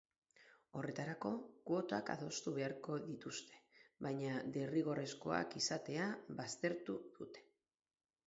Horretarako, kuotak adostu beharko dituzte, baina derrigorrezkoak izatea baztertu dute.